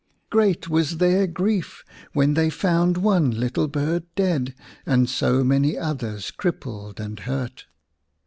Great was their grief when they found one little bird dead and so many others crippled and hurt.